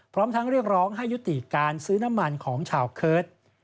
พร้อมทั้งเรียกร้องให้ยุติการซื้อน้ำมันของชาวเคิร์ต